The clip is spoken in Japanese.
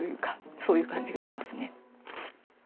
そういう感じがしますね。